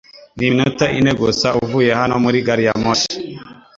Ni iminota ine gusa uvuye hano muri gari ya moshi .